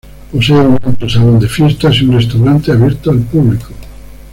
Posee un amplio salón de fiestas y un restaurante abierto al público.